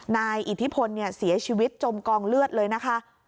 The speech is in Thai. นายอิทธิพลเสียชีวิตจมกองเลือดเลยนะคะ